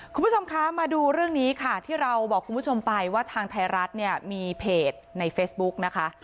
คุณผู้ชมคะมาดูเรื่องนี้ค่ะที่เราบอกคุณผู้ชมไปว่าทางไทยรัฐเนี่ยมีเพจในเฟซบุ๊กนะคะ